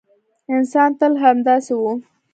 انسان تل همداسې و.